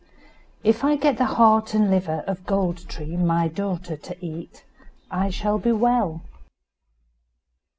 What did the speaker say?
"If I get the heart and the liver of Gold tree, my daughter, to eat, I shall be well."